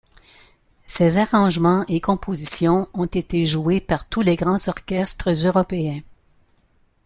Ses arrangements et compositions ont été joués par tous les grands orchestres européens.